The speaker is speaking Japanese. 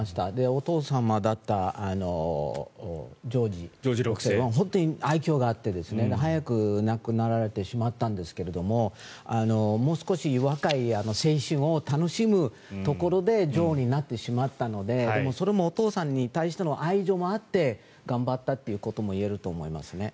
お父様だったジョージ６世は本当に愛きょうがあって、早くに亡くなられてしまったんですがもう少し若い青春を楽しむところで女王になってしまったのででも、それもお父さんに対しての愛情もあって頑張ったということも言えると思いますね。